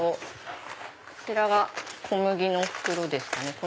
こちらが小麦の袋ですね。